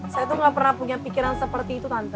saya tuh gak pernah punya pikiran seperti itu kan